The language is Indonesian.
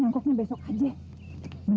gak bakal jadi satu